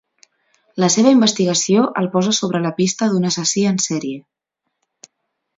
La seva investigació el posa sobre la pista d'un assassí en sèrie.